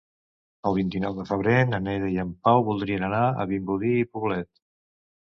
El vint-i-nou de febrer na Neida i en Pau voldrien anar a Vimbodí i Poblet.